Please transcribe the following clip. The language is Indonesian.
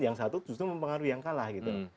yang satu justru mempengaruhi yang kalah gitu